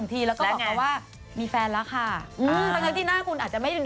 เธอเข้าใจไหมคุณหนุ่ย